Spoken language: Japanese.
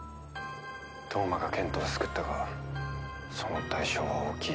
飛羽真が賢人を救ったがその代償は大きい。